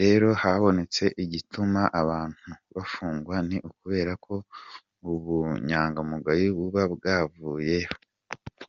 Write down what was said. Rero habonetse igituma abantu bafungwa ni ukubera ko ubunyangamugayo buba bwavuyeho.”